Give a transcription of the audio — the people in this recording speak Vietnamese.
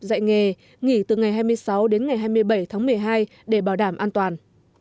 dạy nghề nghỉ từ ngày hai mươi sáu đến ngày hai mươi bảy tháng một mươi hai để bảo đảm an toàn